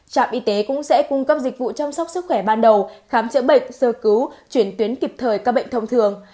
trạm y tế cũng sẽ cung cấp dịch vụ chăm sóc sức khỏe ban đầu khám chữa bệnh sơ cứu chuyển tuyến kịp thời các bệnh thông thường